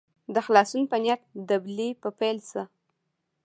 د خلاصون په نیت دبلي په پیل سه.